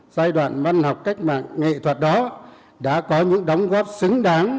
giai đoạn văn học cách mạng nghệ thuật đó đã có những đóng góp xứng đáng